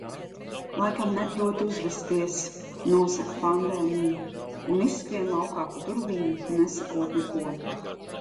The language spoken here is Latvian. "Laikam neproti uzvesties," nosaka pandēmija un izskrien laukā pa durvīm nesakot neko.